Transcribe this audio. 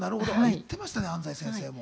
言ってましたね、安西先生も。